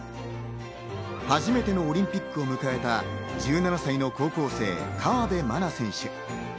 初めてのオリンピックを迎えた１７歳の高校生、河辺愛菜選手。